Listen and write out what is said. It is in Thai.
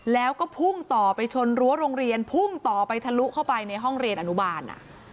แล้วก็พุ่งต่อไปชนรั้วโรงเรียนพุ่งต่อไปทะลุเข้าไปในห้องเรียนอนุบาล